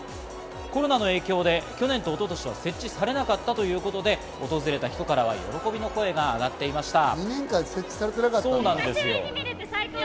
コロナの影響で去年と一昨年は設置されなかったということで、訪れた人からは喜びの声があがっていました。